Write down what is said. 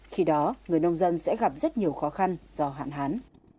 khi đó người nông dân sẽ gặp rất nhiều khó khăn do hạn hán